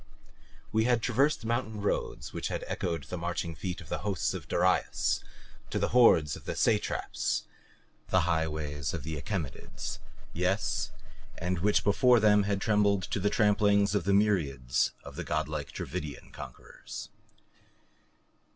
We had traversed mountain roads which had echoed to the marching feet of the hosts of Darius, to the hordes of the Satraps. The highways of the Achaemenids yes, and which before them had trembled to the tramplings of the myriads of the godlike Dravidian conquerors.